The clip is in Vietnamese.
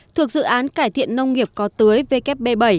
thuộc dự án cải thiện nông nghiệp có tưới vkp bảy